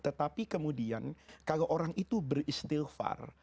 tetapi kemudian kalau orang itu beristilfar